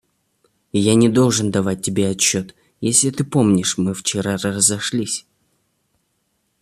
Я не должен давать тебе отчет, если ты помнишь, мы вчера разошлись.